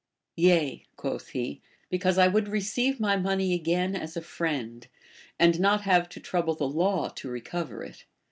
Yea, quoth he, because I would receive my money again as a friend, and not have to trouble the laAV to recover it.